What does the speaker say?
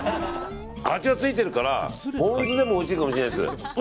味がついてるからポン酢でもおいしいかもしれないです。